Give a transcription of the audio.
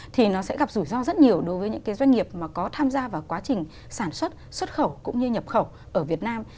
thì nó sẽ gặp rủi ro rất nhiều đối với những cái doanh nghiệp mà có tham gia vào quá trình sản xuất xuất khẩu cũng như nhập khẩu ở việt nam